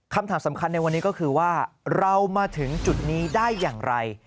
คำถามสำคัญในวันนี้ก็คือว่าเรามาถึงจุดนี้ได้อย่างไร